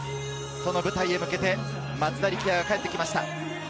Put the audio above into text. その舞台へ向けて、松田力也が帰ってきました。